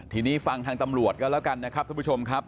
ทีนี้ฟังทางตำรวจก็แล้วกันนะครับทุกผู้ชมครับ